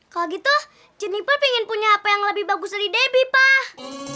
kalau gitu jennipal pengen punya apa yang lebih bagus dari debbie pak